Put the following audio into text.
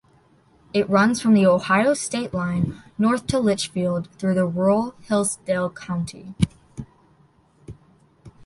It runs from the Ohio state line north to Litchfield through rural Hillsdale County.